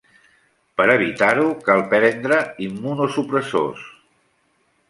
Per evitar-ho cal prendre immunosupressors.